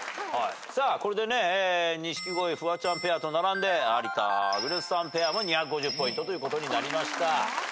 さあこれでね錦鯉・フワちゃんペアと並んで有田・アグネスさんペアも２５０ポイントということになりました。